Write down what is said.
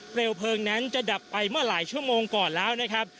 เพลิงนั้นจะดับไปเมื่อหลายชั่วโมงก่อนแล้วนะครับ